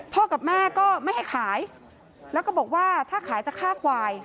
กับแม่ก็ไม่ให้ขายแล้วก็บอกว่าถ้าขายจะฆ่าควาย